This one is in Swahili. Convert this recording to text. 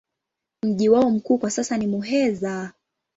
Mji wao mkuu kwa sasa ni Muheza.